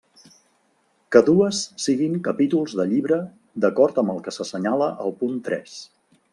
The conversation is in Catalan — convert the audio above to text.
Que dues siguin capítols de llibre d'acord amb el que s'assenyala al punt tres.